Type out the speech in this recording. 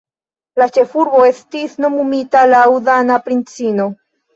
La ĉefurbo estis nomumita laŭ dana princino.